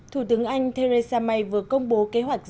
thủ tướng anh theresa may vừa công bố kế hoạch